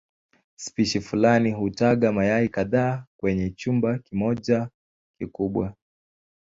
Spishi fulani hutaga mayai kadhaa kwenye chumba kimoja kikubwa.